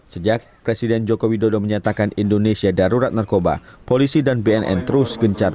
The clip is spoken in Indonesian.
sejak presiden joko widodo menyatakan indonesia darurat narkoba polisi dan bnn terus gencar